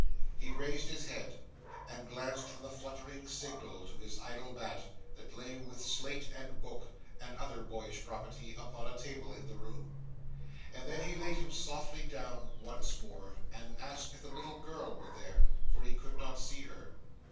He raised his head, and glanced from the fluttering signal to his idle bat, that lay with slate and book and other boyish property upon a table in the room. And then he laid him softly down once more, and asked if the little girl were there, for he could not see her.